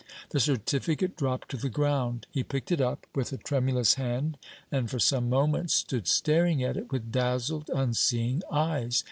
The certificate dropped to the ground. He picked it up with a tremulous hand, and for some moments stood staring at it with dazzled, unseeing eyes.